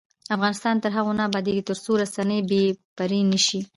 افغانستان تر هغو نه ابادیږي، ترڅو رسنۍ بې پرې نشي.